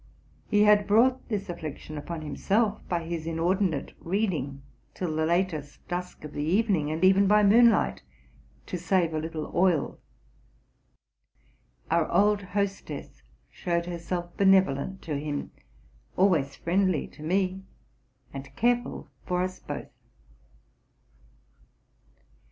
He had brought this affliction upon himself by his inordinate reading till the latest dusk of the evening, and even by moonlight, to save a little oil. Our old hostess showed herself benevolent to him, always friendly to me, and careful for us both.